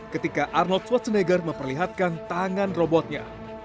ketika arnold swatchnegger memperlihatkan tangan robotnya